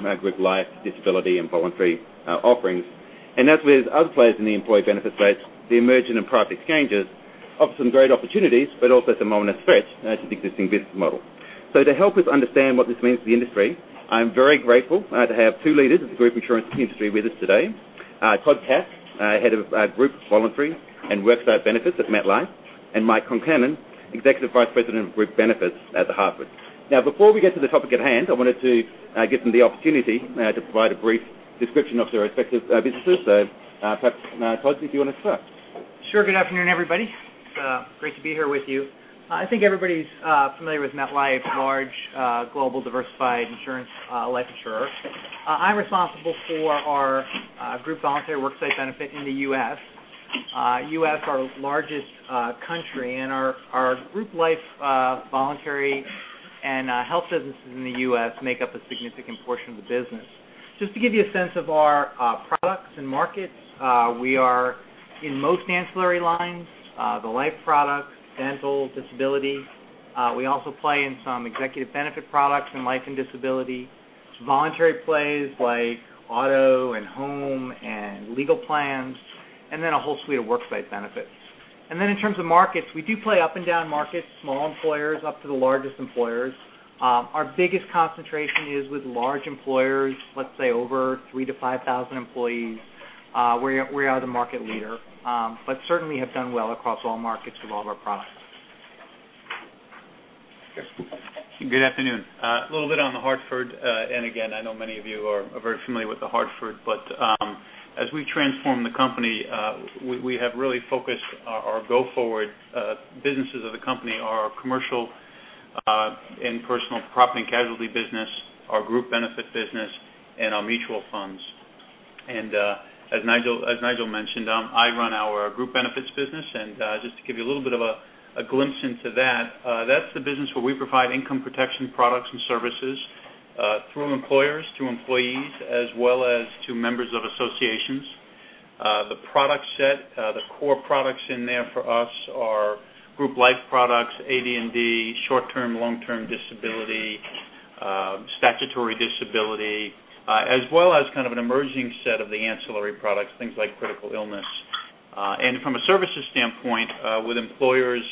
In our group life disability and voluntary offerings. As with other players in the employee benefits space, the emergent and private exchanges offer some great opportunities, but also some ominous threats to the existing business model. To help us understand what this means to the industry, I'm very grateful to have two leaders of the group insurance industry with us today. Todd Katz, Head of Group, Voluntary and Worksite Benefits at MetLife, and Mike Concannon, Executive Vice President of Group Benefits at The Hartford. Before we get to the topic at hand, I wanted to give them the opportunity to provide a brief description of their respective businesses. Perhaps, Todd, if you want to start? Sure. Good afternoon, everybody. Great to be here with you. I think everybody's familiar with MetLife, large, global diversified insurance, life insurer. I'm responsible for our group voluntary worksite benefit in the U.S. U.S., our largest country, and our group life voluntary and health businesses in the U.S. make up a significant portion of the business. Just to give you a sense of our products and markets, we are in most ancillary lines, the life products, dental, disability. We also play in some executive benefit products and life and disability, voluntary plays like auto and home and legal plans, and then a whole suite of worksite benefits. In terms of markets, we do play up and down markets, small employers up to the largest employers. Our biggest concentration is with large employers, let's say over 3,000-5,000 employees, we are the market leader. Certainly have done well across all markets with all of our products. Mike. Good afternoon. A little bit on The Hartford. Again, I know many of you are very familiar with The Hartford, as we transform the company, we have really focused our go-forward businesses of the company are our commercial, and personal property and casualty business, our Group Benefits business, and our mutual funds. As Nigel mentioned, I run our Group Benefits business, just to give you a little bit of a glimpse into that's the business where we provide income protection products and services, through employers to employees, as well as to members of associations. The product set, the core products in there for us are group life products, AD&D, short-term, long-term disability, statutory disability, as well as kind of an emerging set of the ancillary products, things like critical illness. From a services standpoint, with employers,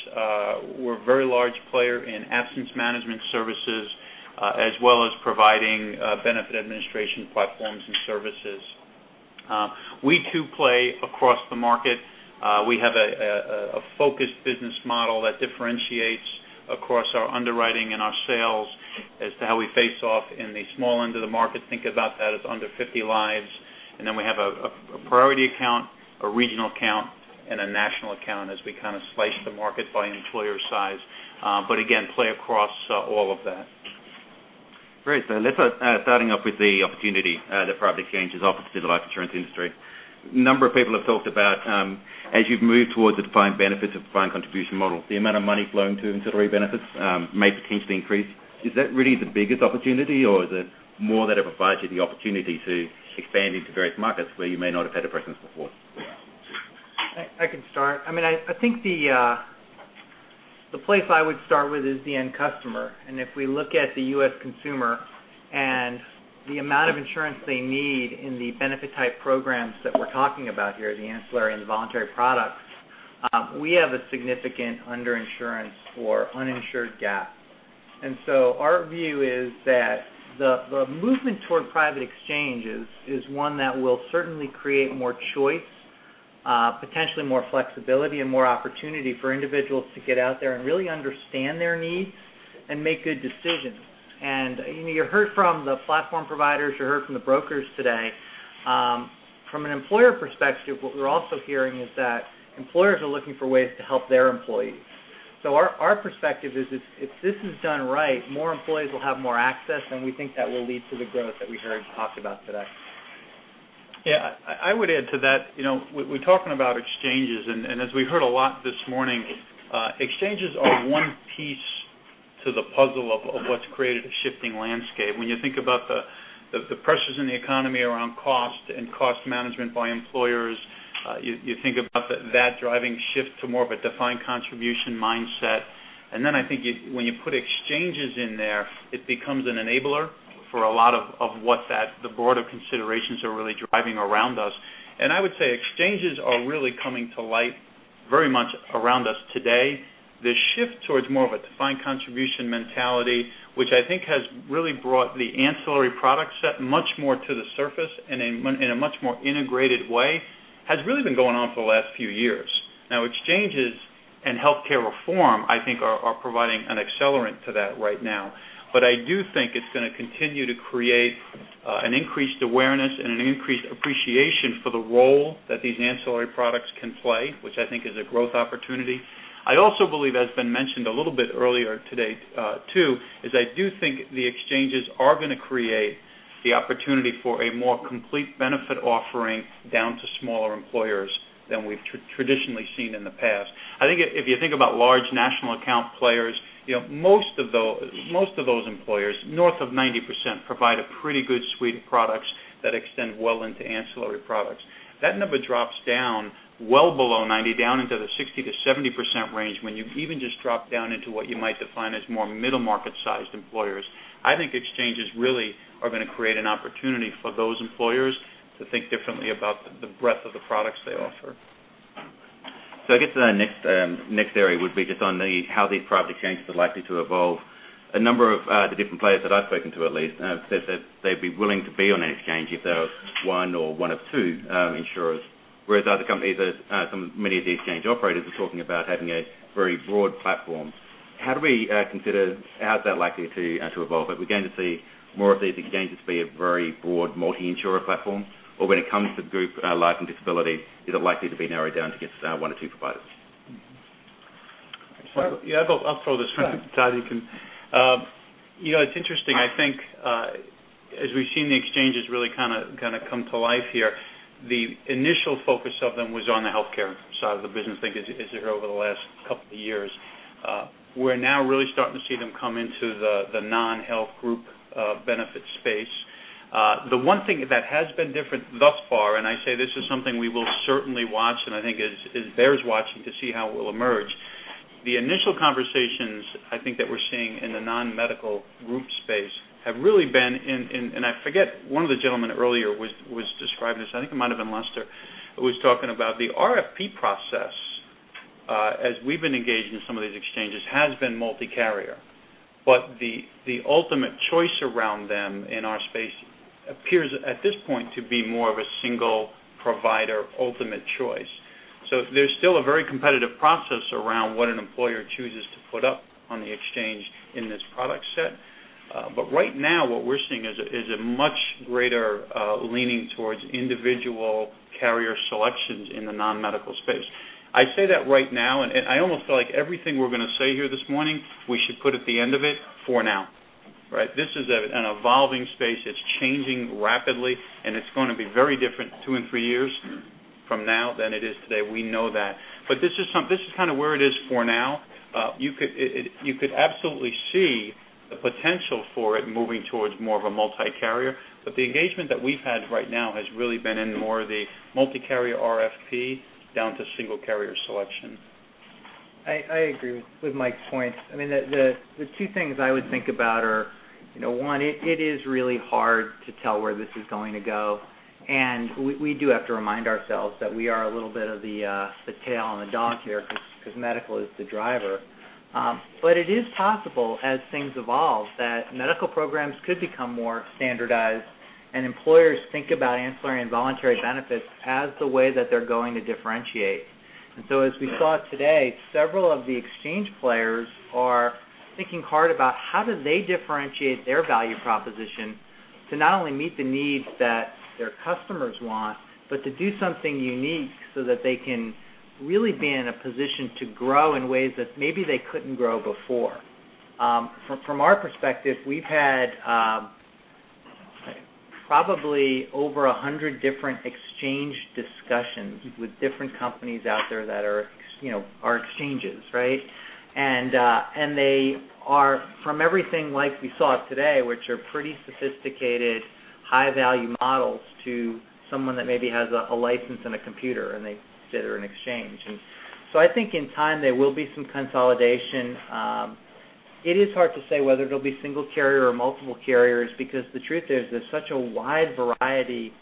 we're a very large player in absence management services, as well as providing benefit administration platforms and services. We too play across the market. We have a focused business model that differentiates across our underwriting and our sales as to how we face off in the small end of the market. Think about that as under 50 lives. We then have a priority account, a regional account, and a national account as we kind of slice the market by an employer's size. Again, play across all of that. Great. Let's start starting up with the opportunity that private exchanges offer to the life insurance industry. A number of people have talked about, as you've moved towards the defined benefit of defined contribution model, the amount of money flowing to ancillary benefits may potentially increase. Is that really the biggest opportunity, or is it more that it provides you the opportunity to expand into various markets where you may not have had a presence before? I can start. I think the place I would start with is the end customer, and if we look at the U.S. consumer and the amount of insurance they need in the benefit-type programs that we're talking about here, the ancillary and the voluntary products, we have a significant under-insurance or uninsured gap. Our view is that the movement toward private exchanges is one that will certainly create more choice, potentially more flexibility and more opportunity for individuals to get out there and really understand their needs and make good decisions. You heard from the platform providers, you heard from the brokers today. From an employer perspective, what we're also hearing is that employers are looking for ways to help their employees. Our perspective is if this is done right, more employees will have more access, and we think that will lead to the growth that we heard talked about today. Yeah. I would add to that. We're talking about exchanges, as we've heard a lot this morning, exchanges are one piece to the puzzle of what's created a shifting landscape. When you think about the pressures in the economy around cost and cost management by employers, you think about that driving shift to more of a defined contribution mindset. I think when you put exchanges in there, it becomes an enabler for a lot of what the board of considerations are really driving around us. I would say, exchanges are really coming to light very much around us today. The shift towards more of a defined contribution mentality, which I think has really brought the ancillary product set much more to the surface in a much more integrated way, has really been going on for the last few years. Exchanges and healthcare reform, I think, are providing an accelerant to that right now. I do think it's going to continue to create an increased awareness and an increased appreciation for the role that these ancillary products can play, which I think is a growth opportunity. I also believe, as been mentioned a little bit earlier today, too, is I do think the exchanges are going to create the opportunity for a more complete benefit offering down to smaller employers than we've traditionally seen in the past. I think if you think about large national account players, most of those employers, north of 90%, provide a pretty good suite of products that extend well into ancillary products. That number drops down well below 90, down into the 60%-70% range when you even just drop down into what you might define as more middle-market sized employers. I think exchanges really are going to create an opportunity for those employers to think differently about the breadth of the products they offer. I guess the next area would be just on how these private exchanges are likely to evolve. A number of the different players that I've spoken to at least, have said that they'd be willing to be on an exchange if there was one or one of two insurers, whereas other companies, many of the exchange operators are talking about having a very broad platform. How is that likely to actually evolve? Are we going to see more of these exchanges be a very broad multi-insurer platform? Or when it comes to group life and disability, is it likely to be narrowed down to just one or two providers? Yeah. I'll throw this one. Todd, you can. It's interesting. I think as we've seen the exchanges really come to life here, the initial focus of them was on the healthcare side of the business, I think as you hear over the last couple of years. We're now really starting to see them come into the non-health Group Benefits space. The one thing that has been different thus far, and I say this is something we will certainly watch, and I think it bears watching to see how it will emerge. The initial conversations, I think, that we're seeing in the non-medical group space have really been in, and I forget, one of the gentlemen earlier was describing this, I think it might've been Lester. He was talking about the RFP process, as we've been engaged in some of these exchanges, has been multi-carrier. The ultimate choice around them in our space appears at this point to be more of a single provider ultimate choice. There's still a very competitive process around what an employer chooses to put up on the exchange in this product set. Right now what we're seeing is a much greater leaning towards individual carrier selections in the non-medical space. I say that right now, and I almost feel like everything we're going to say here this morning, we should put at the end of it, for now. Right? This is an evolving space. It's changing rapidly, and it's going to be very different two and three years from now than it is today. We know that. This is where it is for now. You could absolutely see the potential for it moving towards more of a multi-carrier, but the engagement that we've had right now has really been in more of the multi-carrier RFP down to single carrier selection. I agree with Mike's point. The two things I would think about are, one, it is really hard to tell where this is going to go, and we do have to remind ourselves that we are a little bit of the tail on the dog here because medical is the driver. It is possible as things evolve, that medical programs could become more standardized and employers think about ancillary and voluntary benefits as the way that they're going to differentiate. As we saw today, several of the exchange players are thinking hard about how do they differentiate their value proposition to not only meet the needs that their customers want, but to do something unique so that they can really be in a position to grow in ways that maybe they couldn't grow before. From our perspective, we've had probably over 100 different exchange discussions with different companies out there that are exchanges, right? They are from everything like we saw today, which are pretty sophisticated, high-value models to someone that maybe has a license and a computer, and they consider an exchange. I think in time there will be some consolidation. It is hard to say whether it'll be single carrier or multiple carriers because the truth is, there's such a wide variety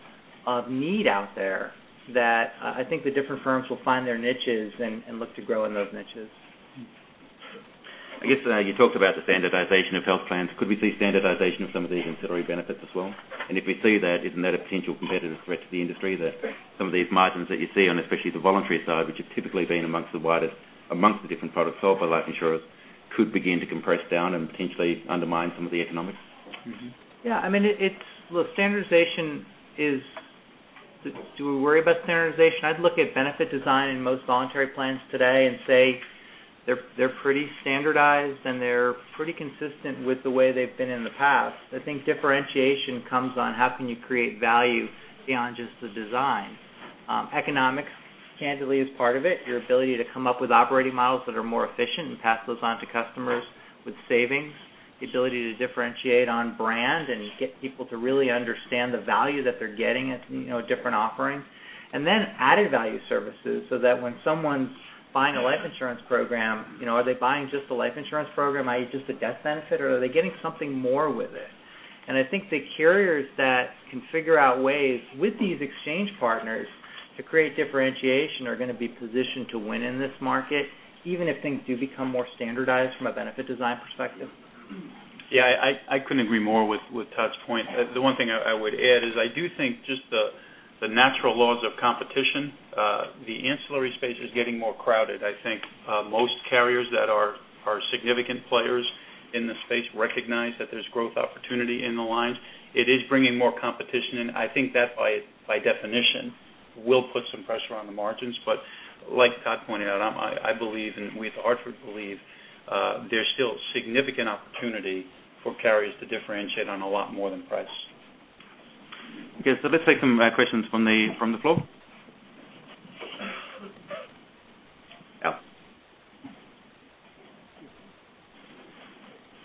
of need out there that I think the different firms will find their niches and look to grow in those niches. I guess you talked about the standardization of health plans. Could we see standardization of some of the ancillary benefits as well? If we see that, isn't that a potential competitive threat to the industry that some of these margins that you see on, especially the voluntary side, which have typically been amongst the widest amongst the different products sold by life insurers, could begin to compress down and potentially undermine some of the economics? Yeah. Look, do we worry about standardization? I'd look at benefit design in most voluntary plans today and say they're pretty standardized and they're pretty consistent with the way they've been in the past. I think differentiation comes on how can you create value beyond just the design. Economics, candidly, is part of it. Your ability to come up with operating models that are more efficient and pass those on to customers with savings. The ability to differentiate on brand and get people to really understand the value that they're getting at different offerings. Then added value services so that when someone's buying a life insurance program, are they buying just a life insurance program, i.e. just a death benefit, or are they getting something more with it? I think the carriers that can figure out ways with these exchange partners to create differentiation are going to be positioned to win in this market, even if things do become more standardized from a benefit design perspective. Yeah, I couldn't agree more with Todd's point. The one thing I would add is I do think just the natural laws of competition, the ancillary space is getting more crowded. I think most carriers that are significant players in this space recognize that there's growth opportunity in the lines. It is bringing more competition, and I think that by definition will put some pressure on the margins. Like Todd pointed out, I believe, and we at The Hartford believe, there's still significant opportunity for carriers to differentiate on a lot more than price. Okay, let's take some questions from the floor. Al?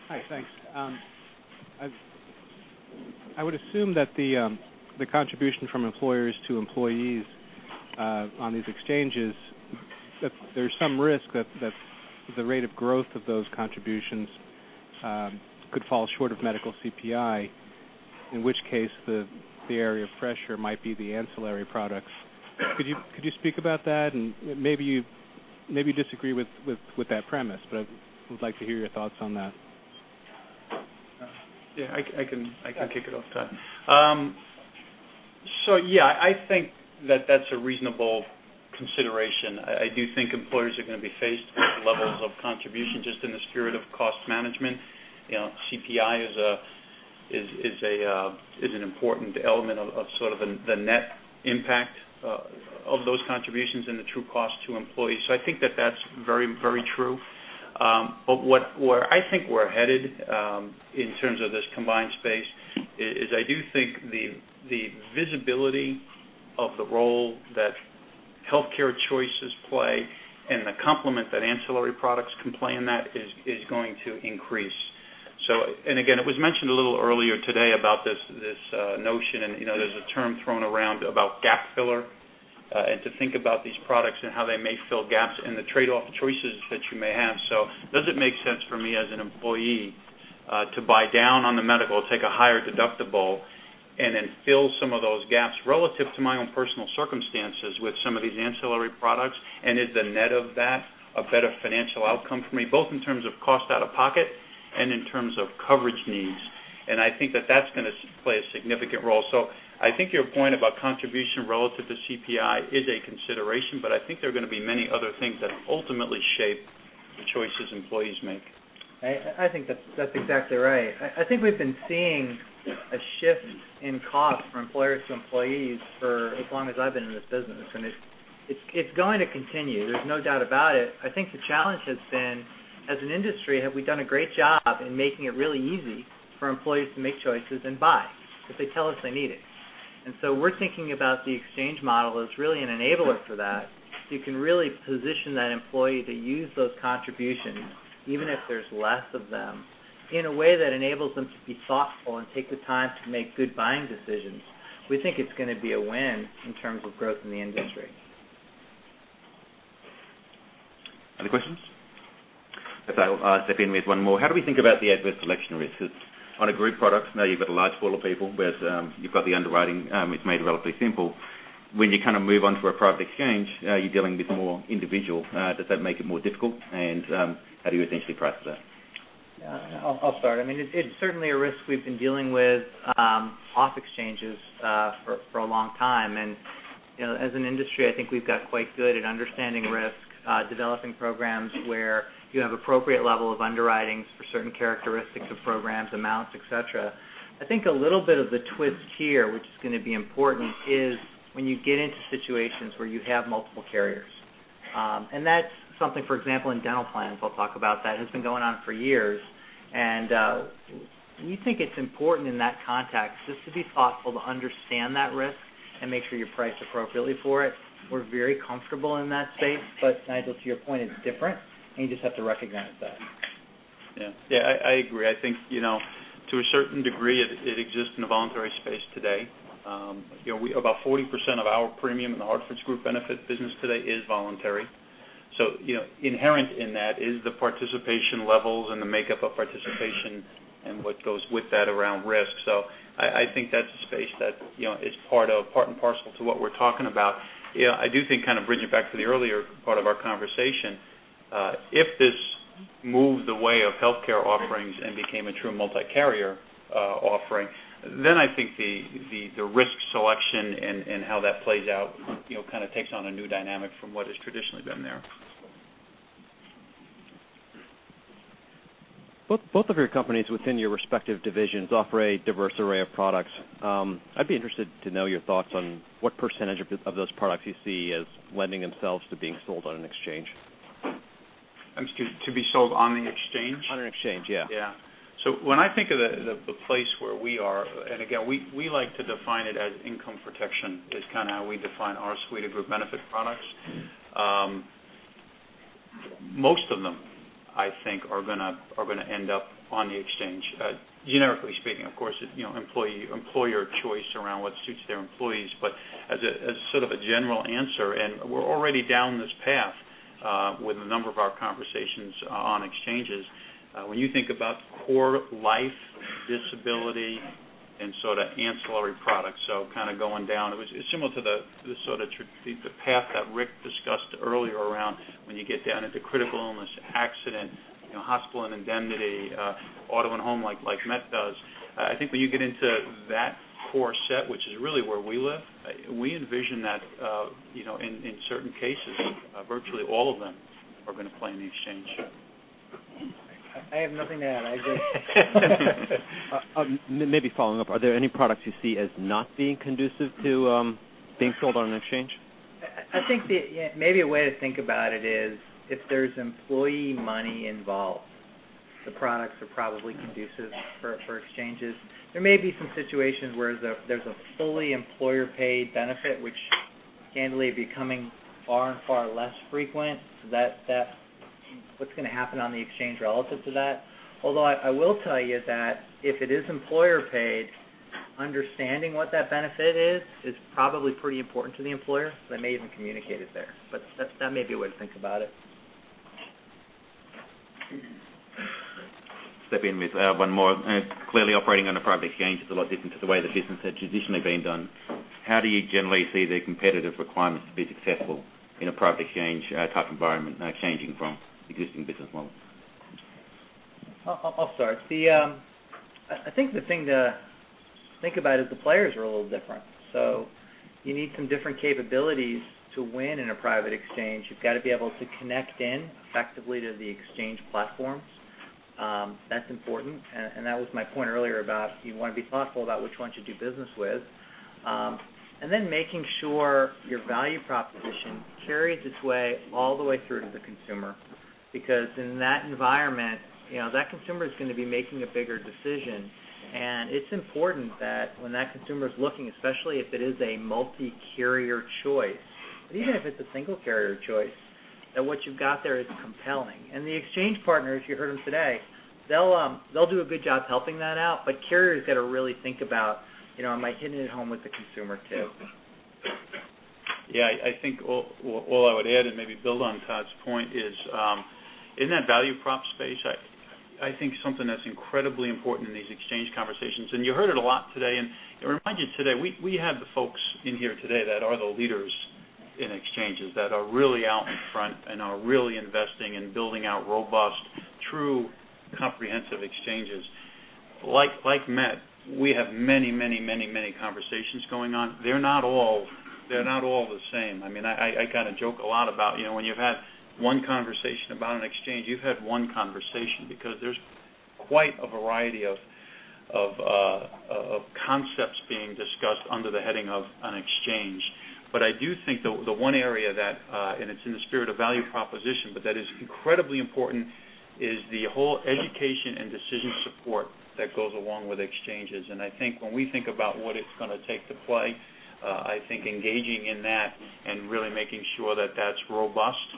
Hi. Thanks. I would assume that the contribution from employers to employees on these exchanges There's some risk that the rate of growth of those contributions could fall short of medical CPI, in which case, the area of pressure might be the ancillary products. Could you speak about that? Maybe you disagree with that premise, but I would like to hear your thoughts on that. I can kick it off, Todd. Yeah, I think that that's a reasonable consideration. I do think employers are going to be faced with levels of contribution just in the spirit of cost management. CPI is an important element of the net impact of those contributions and the true cost to employees. I think that that's very true. Where I think we're headed in terms of this combined space is I do think the visibility of the role that healthcare choices play and the complement that ancillary products can play in that is going to increase. Again, it was mentioned a little earlier today about this notion, and there's a term thrown around about gap filler, and to think about these products and how they may fill gaps in the trade-off choices that you may have. Does it make sense for me as an employee to buy down on the medical, take a higher deductible, and then fill some of those gaps relative to my own personal circumstances with some of these ancillary products? Is the net of that a better financial outcome for me, both in terms of cost out of pocket and in terms of coverage needs? I think that that's going to play a significant role. I think your point about contribution relative to CPI is a consideration, I think there are going to be many other things that ultimately shape the choices employees make. I think that's exactly right. I think we've been seeing a shift in cost from employers to employees for as long as I've been in this business, and it's going to continue. There's no doubt about it. I think the challenge has been, as an industry, have we done a great job in making it really easy for employees to make choices and buy if they tell us they need it? We're thinking about the exchange model as really an enabler for that. You can really position that employee to use those contributions, even if there's less of them, in a way that enables them to be thoughtful and take the time to make good buying decisions. We think it's going to be a win in terms of growth in the industry. Other questions? If I step in with one more, how do we think about the adverse selection risks on a group product? You've got a large pool of people, whereas you've got the underwriting, it's made relatively simple. When you move on to a private exchange, you're dealing with more individual. Does that make it more difficult? How do you essentially price that? I'll start. It's certainly a risk we've been dealing with off exchanges for a long time. As an industry, I think we've got quite good at understanding risk, developing programs where you have appropriate level of underwriting for certain characteristics of programs, amounts, et cetera. I think a little bit of the twist here, which is going to be important, is when you get into situations where you have multiple carriers. That's something, for example, in dental plans, I'll talk about that, has been going on for years. We think it's important in that context just to be thoughtful to understand that risk and make sure you're priced appropriately for it. We're very comfortable in that space. Nigel, to your point, it's different, and you just have to recognize that. Yeah. I agree. I think to a certain degree, it exists in the voluntary space today. About 40% of our premium in The Hartford's Group Benefits business today is voluntary. Inherent in that is the participation levels and the makeup of participation and what goes with that around risk. I think that's a space that is part and parcel to what we're talking about. I do think bringing it back to the earlier part of our conversation, if this moved the way of healthcare offerings and became a true multi-carrier offering, then I think the risk selection and how that plays out takes on a new dynamic from what has traditionally been there. Both of your companies within your respective divisions offer a diverse array of products. I'd be interested to know your thoughts on what % of those products you see as lending themselves to being sold on an exchange. Excuse me, to be sold on the exchange? On an exchange, yeah. When I think of the place where we are, and again, we like to define it as income protection, is how we define our suite of group benefit products. Most of them, I think, are going to end up on the exchange. Generically speaking, of course, employer choice around what suits their employees. As a general answer, and we're already down this path with a number of our conversations on exchanges. When you think about core life, disability, and ancillary products, going down. It's similar to the path that Rick discussed earlier around when you get down into critical illness, accident, hospital and indemnity, auto and home like Met does. I think when you get into that core set, which is really where we live, we envision that in certain cases, virtually all of them are going to play in the exchange. I have nothing to add. I agree. Maybe following up, are there any products you see as not being conducive to being sold on an exchange? I think maybe a way to think about it is if there's employee money involved, the products are probably conducive for exchanges. There may be some situations where there's a fully employer-paid benefit, which candidly becoming far and far less frequent. What's going to happen on the exchange relative to that? Although I will tell you that if it is employer paid, understanding what that benefit is probably pretty important to the employer. They may even communicate it there, but that may be a way to think about it. Step in with one more. Clearly operating on a private exchange is a lot different to the way the business had traditionally been done. How do you generally see the competitive requirements to be successful in a private exchange type environment changing from existing business models? I'll start. I think the thing to think about is the players are a little different. You need some different capabilities to win in a private exchange. You've got to be able to connect in effectively to the exchange platforms. That's important, and that was my point earlier about, you want to be thoughtful about which ones you do business with. Making sure your value proposition carries its way all the way through to the consumer, because in that environment, that consumer is going to be making a bigger decision. It's important that when that consumer's looking, especially if it is a multi-carrier choice, but even if it's a single carrier choice, that what you've got there is compelling. The exchange partners, you heard them today, they'll do a good job helping that out. Carriers got to really think about, am I hitting it home with the consumer, too? Yeah, I think all I would add and maybe build on Todd's point is, in that value prop space, I think something that's incredibly important in these exchange conversations, and you heard it a lot today, and it reminded today, we have the folks in here today that are the leaders in exchanges that are really out in front and are really investing in building out robust, true, comprehensive exchanges. Like Met, we have many conversations going on. They're not all the same. I kind of joke a lot about when you've had one conversation about an exchange, you've had one conversation, because there's quite a variety of concepts being discussed under the heading of an exchange. I do think the one area that, and it's in the spirit of value proposition, but that is incredibly important, is the whole education and decision support that goes along with exchanges. I think when we think about what it's going to take to play, I think engaging in that and really making sure that's robust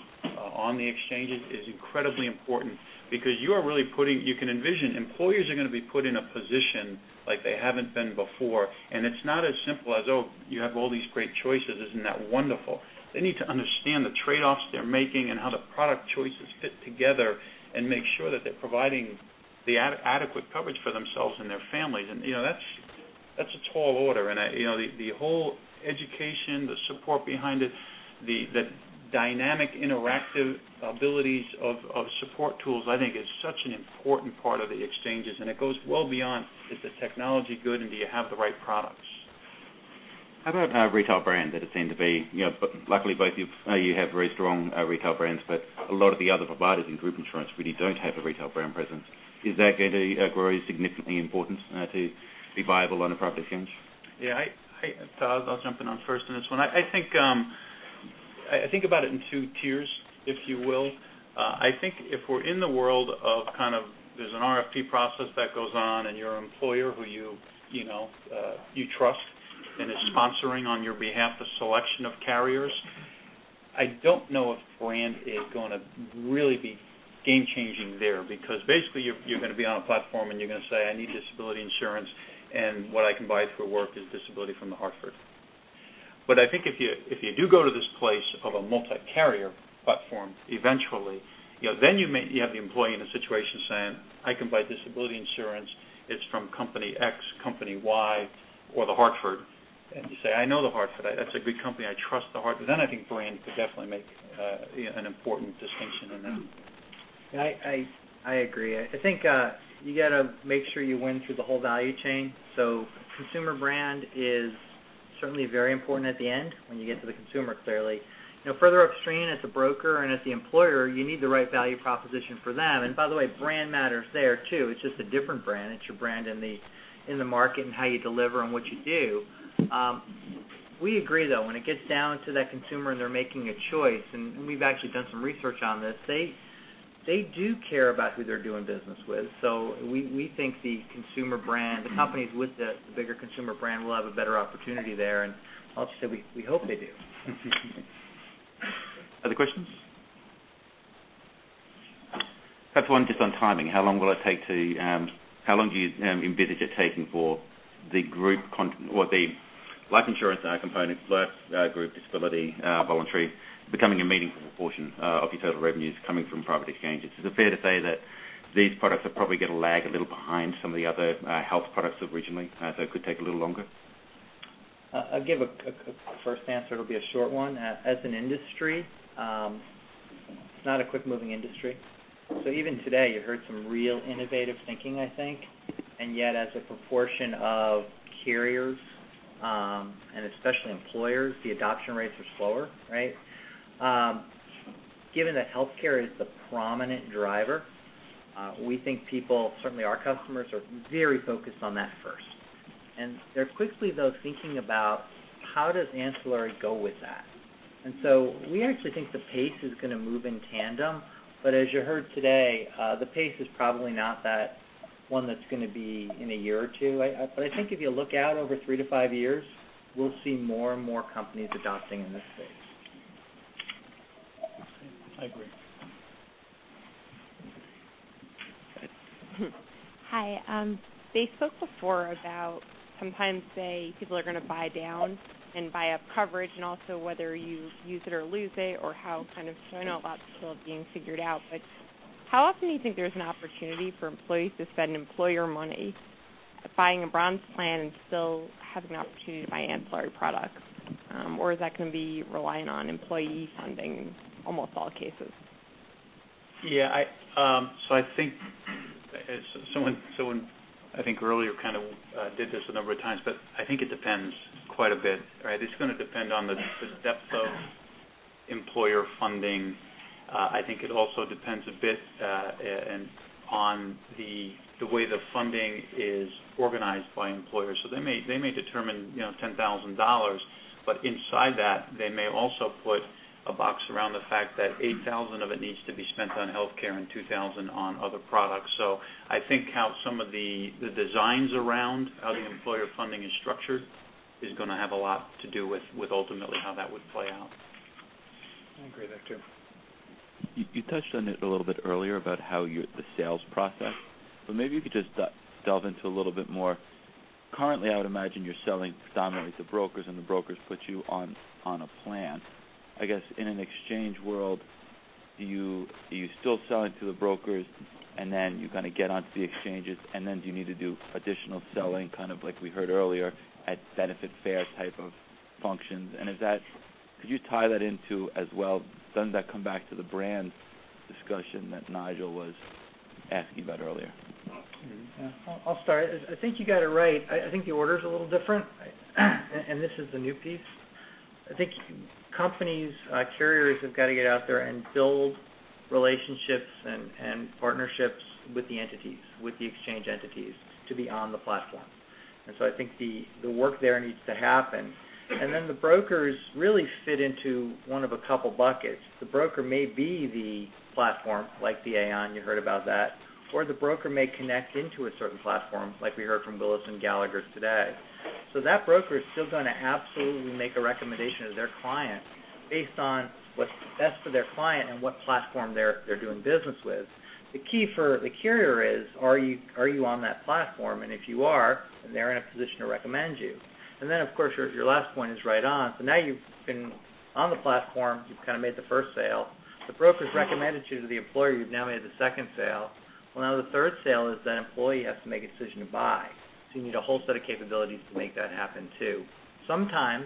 on the exchanges is incredibly important because you can envision employers are going to be put in a position like they haven't been before. It's not as simple as, oh, you have all these great choices. Isn't that wonderful? They need to understand the trade-offs they're making and how the product choices fit together and make sure that they're providing the adequate coverage for themselves and their families. That's a tall order. The whole education, the support behind it, the dynamic interactive abilities of support tools, I think is such an important part of the exchanges. It goes well beyond, is the technology good and do you have the right products? How about retail brand? Luckily, both of you have very strong retail brands, but a lot of the other providers in group insurance really don't have a retail brand presence. Is that going to grow significantly important to be viable on a private exchange? Yeah. Todd, I'll jump in on first on this one. I think about it in two tiers, if you will. I think if we're in the world of there's an RFP process that goes on, and your employer who you trust and is sponsoring on your behalf the selection of carriers. I don't know if brand is going to really be game changing there because basically you're going to be on a platform and you're going to say, "I need disability insurance, and what I can buy for work is disability from The Hartford." I think if you do go to this place of a multi-carrier platform eventually, then you have the employee in a situation saying, "I can buy disability insurance. It's from company X, company Y, or The Hartford." You say, "I know The Hartford. That's a good company. I trust The Hartford. I think brand could definitely make an important distinction in that. I agree. I think you got to make sure you win through the whole value chain. Consumer brand is certainly very important at the end when you get to the consumer, clearly. Further upstream as a broker and as the employer, you need the right value proposition for them. By the way, brand matters there, too. It's just a different brand. It's your brand in the market and how you deliver and what you do. We agree, though. When it gets down to that consumer and they're making a choice, and we've actually done some research on this, they do care about who they're doing business with. We think the companies with the bigger consumer brand will have a better opportunity there. Honestly, we hope they do. Other questions? Perhaps one just on timing. How long do you envisage it taking for the life insurance component plus group disability, voluntary, becoming a meaningful proportion of your total revenues coming from private exchanges? Is it fair to say that these products are probably going to lag a little behind some of the other health products originally, it could take a little longer? I'll give a first answer. It'll be a short one. As an industry, it's not a quick-moving industry. Even today, you heard some real innovative thinking, I think. Yet as a proportion of carriers, and especially employers, the adoption rates are slower, right? Given that healthcare is the prominent driver, we think people, certainly our customers, are very focused on that first. They're quickly, though, thinking about how does ancillary go with that. So we actually think the pace is going to move in tandem. As you heard today, the pace is probably not that one that's going to be in a year or two. I think if you look out over three to five years, we'll see more and more companies adopting in this space. I agree. Go ahead. Hi. They spoke before about sometimes people are going to buy down and buy up coverage, and also whether you use it or lose it, or how kind of showing all that still being figured out, but how often do you think there's an opportunity for employees to spend employer money buying a bronze plan and still have an opportunity to buy ancillary products? Is that going to be relying on employee funding almost all cases? I think someone earlier kind of did this a number of times, but I think it depends quite a bit, right? It's going to depend on the depth of employer funding. I think it also depends a bit on the way the funding is organized by employers. They may determine $10,000, but inside that, they may also put a box around the fact that $8,000 of it needs to be spent on healthcare and $2,000 on other products. I think how some of the designs around how the employer funding is structured is going to have a lot to do with ultimately how that would play out. I agree with that, too. You touched on it a little bit earlier about how the sales process. Maybe you could just delve into a little bit more. Currently, I would imagine you're selling predominantly to brokers, and the brokers put you on a plan. I guess in an exchange world, do you still sell it to the brokers, and then you kind of get onto the exchanges, and then do you need to do additional selling, kind of like we heard earlier, at benefit fair type of functions? Could you tie that into as well, doesn't that come back to the brand discussion that Nigel was asking about earlier? I'll start. I think you got it right. I think the order's a little different. This is the new piece. I think companies, carriers have got to get out there and build relationships and partnerships with the entities, with the exchange entities to be on the platform. I think the work there needs to happen. The brokers really fit into one of a couple buckets. The broker may be the platform, like the Aon, you heard about that. Or the broker may connect into a certain platform, like we heard from Willis and Gallagher today. That broker is still going to absolutely make a recommendation to their client based on what's best for their client and what platform they're doing business with. The key for the carrier is, are you on that platform? If you are, then they're in a position to recommend you. Of course, your last point is right on. Now you've been on the platform, you've kind of made the first sale. The broker's recommended you to the employer. You've now made the second sale. Now the third sale is that employee has to make a decision to buy. You need a whole set of capabilities to make that happen, too. Sometimes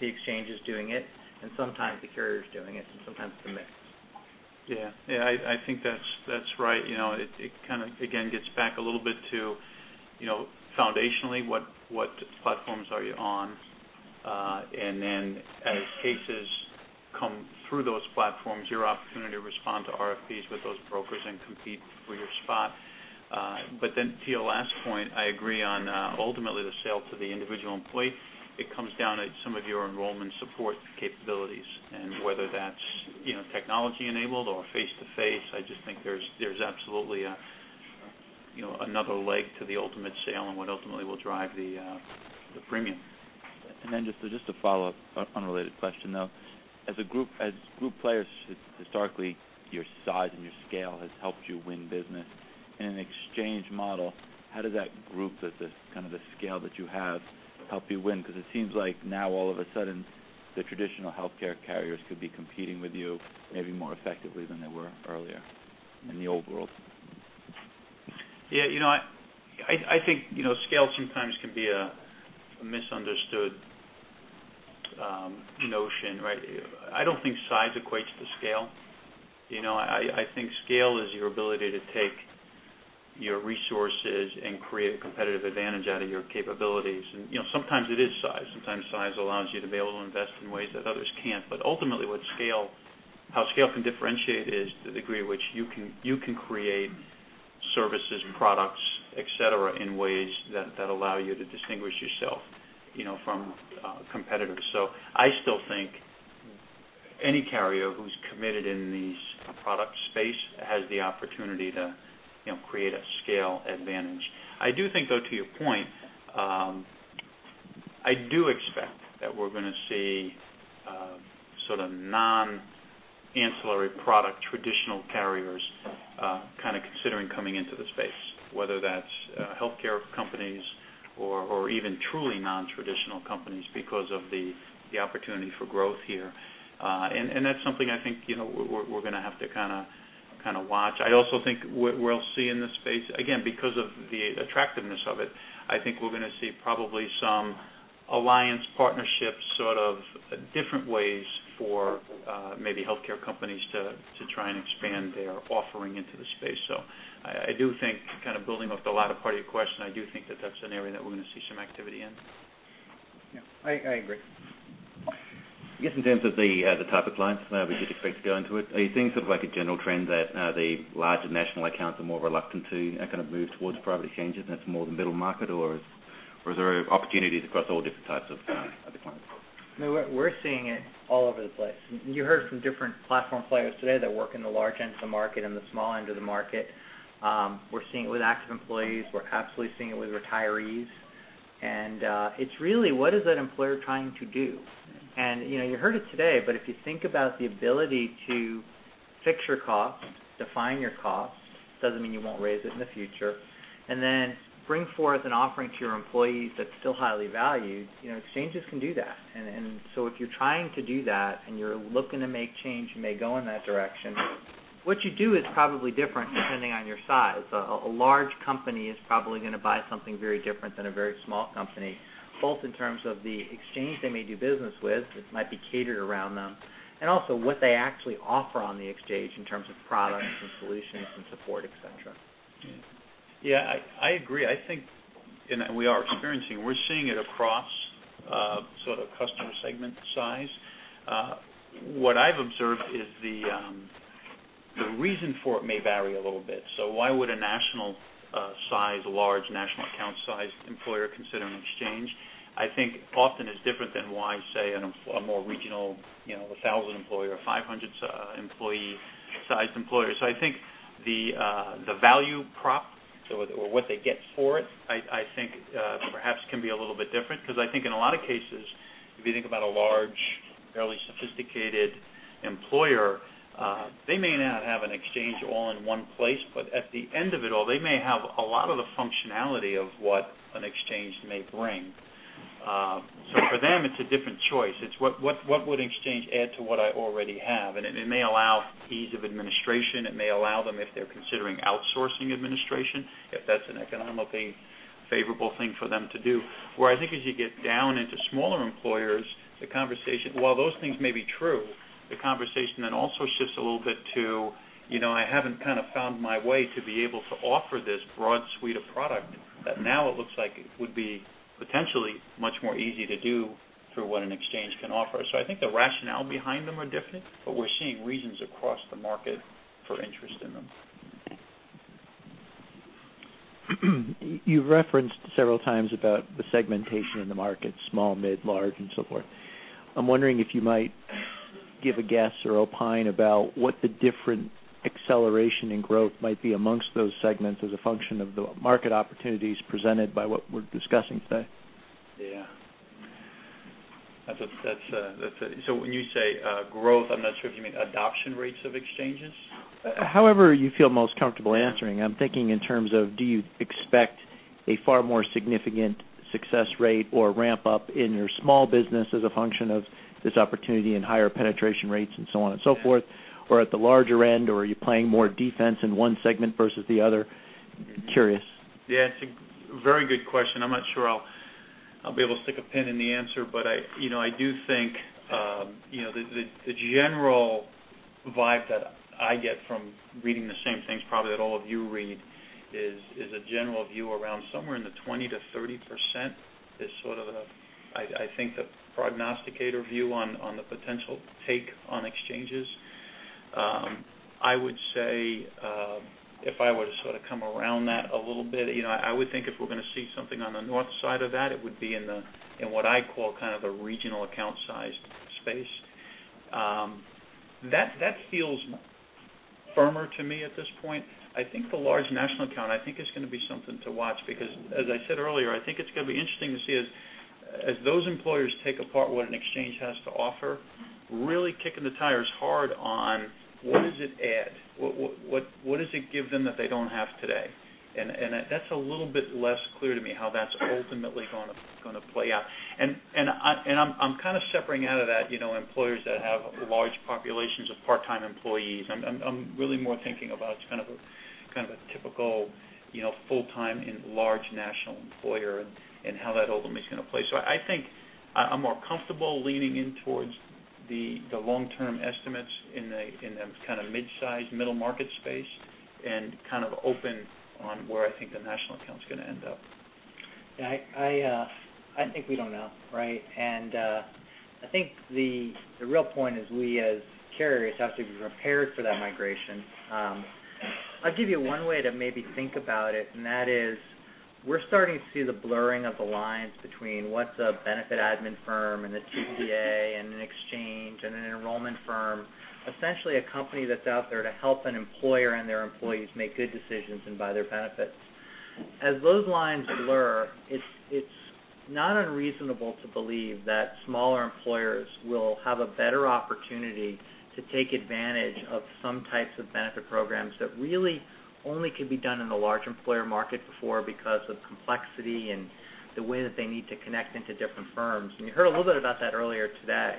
the exchange is doing it, and sometimes the carrier's doing it, and sometimes it's a mix. I think that's right. It kind of, again, gets back a little bit to foundationally what platforms are you on? As cases come through those platforms, your opportunity to respond to RFPs with those brokers and compete for your spot. To your last point, I agree on ultimately the sale to the individual employee. It comes down to some of your enrollment support capabilities and whether that's technology enabled or face-to-face. I just think there's absolutely another leg to the ultimate sale and what ultimately will drive the premium. Just a follow-up, unrelated question, though. As group players, historically, your size and your scale has helped you win business. In an exchange model, how does that group, the scale that you have, help you win? Because it seems like now all of a sudden, the traditional healthcare carriers could be competing with you maybe more effectively than they were earlier in the old world. I think scale sometimes can be a misunderstood notion, right? I don't think size equates to scale. I think scale is your ability to take your resources and create a competitive advantage out of your capabilities. Sometimes it is size. Sometimes size allows you to be able to invest in ways that others can't. Ultimately, how scale can differentiate is the degree to which you can create services, products, et cetera, in ways that allow you to distinguish yourself from competitors. I still think any carrier who's committed in the product space has the opportunity to create a scale advantage. I do think, though, to your point, I do expect that we're going to see sort of non-ancillary product traditional carriers kind of considering coming into the space, whether that's healthcare companies or even truly non-traditional companies because of the opportunity for growth here. That's something I think we're going to have to kind of watch. I also think what we'll see in this space, again, because of the attractiveness of it, I think we're going to see probably some alliance partnerships, sort of different ways for maybe healthcare companies to try and expand their offering into the space. I do think kind of building off the latter part of your question, I do think that that's an area that we're going to see some activity in. Yeah. I agree. I guess in terms of the type of clients, we did expect to go into it, are you seeing sort of like a general trend that the larger national accounts are more reluctant to kind of move towards private exchanges, and it's more the middle market? Is there opportunities across all different types of clients? We're seeing it all over the place. You heard from different platform players today that work in the large end of the market and the small end of the market. We're seeing it with active employees. We're absolutely seeing it with retirees. It's really, what is that employer trying to do? You heard it today, but if you think about the ability to fix your costs, define your costs, doesn't mean you won't raise it in the future, and then bring forth an offering to your employees that's still highly valued, exchanges can do that. If you're trying to do that and you're looking to make change and may go in that direction, what you do is probably different depending on your size. A large company is probably going to buy something very different than a very small company, both in terms of the exchange they may do business with, which might be catered around them, and also what they actually offer on the exchange in terms of products and solutions and support, et cetera. Yeah. I agree. I think, we are experiencing, we're seeing it across sort of customer segment size. What I've observed is the reason for it may vary a little bit. Why would a national size, large National Account size employer consider an exchange? I think often it's different than why, say, a more Regional Account, 1,000 employee or 500 employee size employer. I think the value prop or what they get for it, I think perhaps can be a little bit different, because I think in a lot of cases, if you think about a large, fairly sophisticated employer, they may not have an exchange all in one place, but at the end of it all, they may have a lot of the functionality of what an exchange may bring. For them, it's a different choice. It's what would an exchange add to what I already have? It may allow ease of administration. It may allow them, if they're considering outsourcing administration, if that's an economically favorable thing for them to do. Where I think as you get down into smaller employers, while those things may be true, the conversation then also shifts a little bit to, I haven't kind of found my way to be able to offer this broad suite of product that now it looks like it would be potentially much more easy to do through what an exchange can offer. I think the rationale behind them are different, but we're seeing reasons across the market for interest in them. You referenced several times about the segmentation in the market, small, mid, large, and so forth. I'm wondering if you might give a guess or opine about what the different acceleration in growth might be amongst those segments as a function of the market opportunities presented by what we're discussing today. Yeah. When you say growth, I'm not sure if you mean adoption rates of exchanges? However you feel most comfortable answering. I'm thinking in terms of do you expect a far more significant success rate or ramp up in your small business as a function of this opportunity and higher penetration rates and so on and so forth? Or at the larger end, or are you playing more defense in one segment versus the other? Curious. Yeah. It's a very good question. I'm not sure I'll be able to stick a pin in the answer, I do think the general vibe that I get from reading the same things probably that all of you read is a general view around somewhere in the 20%-30% is sort of, I think the prognosticator view on the potential take on exchanges. I would say, if I were to sort of come around that a little bit, I would think if we're going to see something on the north side of that, it would be in what I call kind of the regional account sized space. That feels firmer to me at this point. I think the large national account, I think it's going to be something to watch because, as I said earlier, I think it's going to be interesting to see as those employers take apart what an exchange has to offer, really kicking the tires hard on what does it add? What does it give them that they don't have today? That's a little bit less clear to me how that's ultimately going to play out. I'm kind of separating out of that employers that have large populations of part-time employees. I'm really more thinking about kind of a typical full-time and large national employer and how that ultimately is going to play. I think I'm more comfortable leaning in towards the long-term estimates in the kind of mid-size, middle market space, and kind of open on where I think the national account's going to end up. Yeah. I think we don't know, right? I think the real point is we as carriers have to be prepared for that migration. I'll give you one way to maybe think about it, and that is we're starting to see the blurring of the lines between what's a benefit administration firm and a TPA and an exchange and an enrollment firm. Essentially, a company that's out there to help an employer and their employees make good decisions and buy their benefits. As those lines blur, it's not unreasonable to believe that smaller employers will have a better opportunity to take advantage of some types of benefit programs that really only could be done in the large employer market before because of complexity and the way that they need to connect into different firms. You heard a little bit about that earlier today.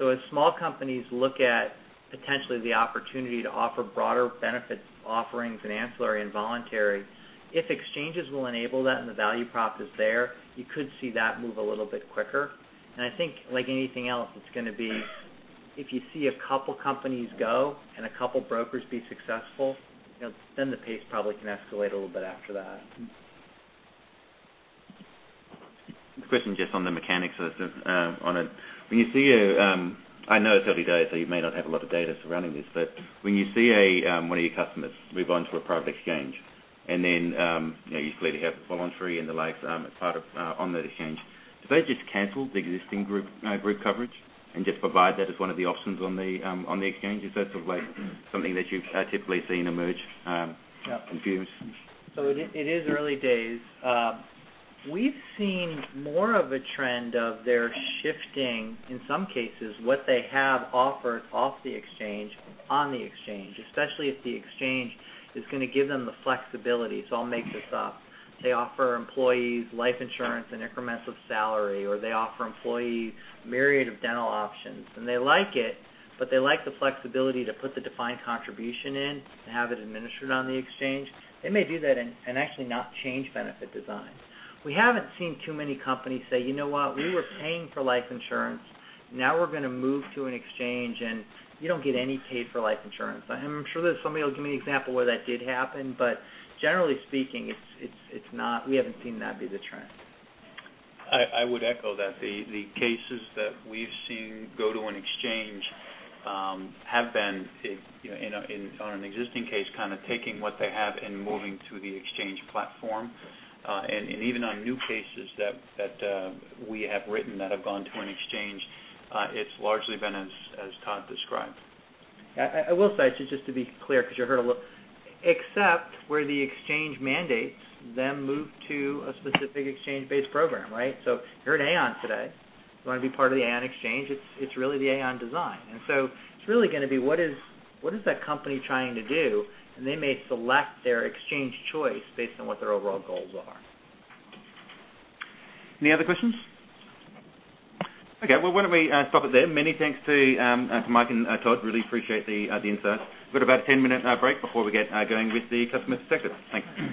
As small companies look at potentially the opportunity to offer broader benefit offerings and ancillary and voluntary, if exchanges will enable that and the value prop is there, you could see that move a little bit quicker. I think, like anything else, it's going to be if you see a couple companies go and a couple brokers be successful, then the pace probably can escalate a little bit after that. A question just on the mechanics of it. I know it's early days, so you may not have a lot of data surrounding this, but when you see one of your customers move on to a private exchange, and then you clearly have voluntary and the likes on that exchange. Do they just cancel the existing group coverage and just provide that as one of the options on the exchange? Is that something that you've typically seen emerge Yeah in use? It is early days. We've seen more of a trend of their shifting, in some cases, what they have offered off the exchange, on the exchange, especially if the exchange is going to give them the flexibility. I'll make this up. They offer employees life insurance in increments of salary, or they offer employees a myriad of dental options, and they like it, they like the flexibility to put the defined contribution in and have it administered on the exchange. They may do that and actually not change benefit designs. We haven't seen too many companies say, "You know what? We were paying for life insurance. Now we're going to move to an exchange," you don't get any pay for life insurance. I'm sure that somebody will give me an example where that did happen, generally speaking, we haven't seen that be the trend. I would echo that. The cases that we've seen go to an exchange have been, on an existing case, taking what they have and moving to the exchange platform. Even on new cases that we have written that have gone to an exchange, it's largely been as Todd described. I will say, just to be clear, because you heard a little, except where the exchange mandates them move to a specific exchange-based program. You're at Aon today. You want to be part of the Aon exchange, it's really the Aon design. It's really going to be, what is that company trying to do? They may select their exchange choice based on what their overall goals are. Any other questions? Okay. Well, why don't we stop it there? Many thanks to Mike and Todd. Really appreciate the insight. We've got about a 10-minute break before we get going with the customer perspective. Thanks.